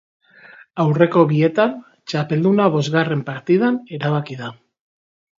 Aurreko bietan, txapelduna bosgarren partidan erabaki da.